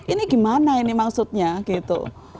ini gimana ini maksudnya gitu